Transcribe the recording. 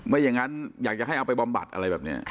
ไม่อย่างนั้นอยากจะให้เอาไปบำบัดอะไรแบบนี้